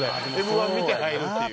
『Ｍ−１』見て入るっていう。